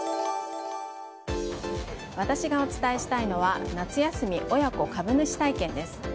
私がお伝えしたいのは夏休み親子株主体験です。